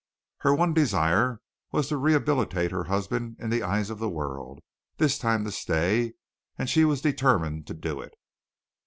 Her one desire was to rehabilitate her husband in the eyes of the world this time to stay and she was determined to do it.